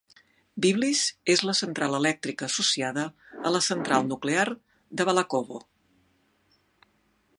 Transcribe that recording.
Biblis és la central elèctrica associada a la central nuclear de Balakovo.